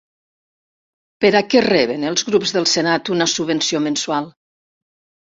Per a què reben els grups del senat una subvenció mensual?